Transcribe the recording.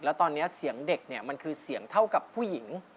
แล้วตอนนี้เสียงเด็กเนี่ยมันคือเสียงเท่ากับผู้หญิง